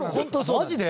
マジで？